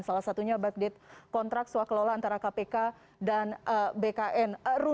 salah satunya bagdit kontrak swak lola antara kpk dan bkn